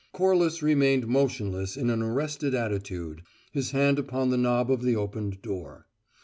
Corliss remained motionless in an arrested attitude, his hand upon the knob of the opened door.